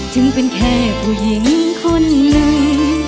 ถึงเป็นแค่ผู้หญิงคนหนึ่ง